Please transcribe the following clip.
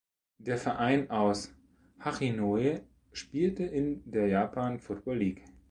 Der Verein aus Hachinohe spielte in der Japan Football League.